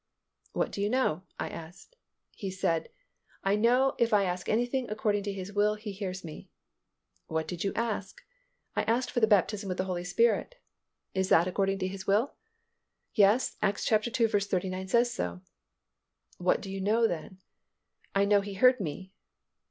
"What do you know?" I asked. He said, "I know if I ask anything according to His will He hears me." "What did you ask?" "I asked for the baptism with the Holy Spirit." "Is that according to His will?" "Yes, Acts ii. 39 says so." "What do you know then?" "I know He has heard me."